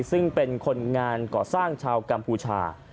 ซึ่งเป็นคนงานก่อสร้างชาวกัมพูชา